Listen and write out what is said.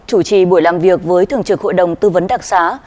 chủ trì buổi làm việc với thường trực hội đồng tư vấn đặc xá